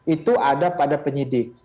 itu ada pada penyidik